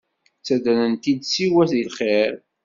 Ttaddren-t-id siwa di lxir.